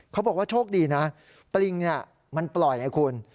เขาบอกว่าโชคดีนะปลิงมันปล่อยไงคุณ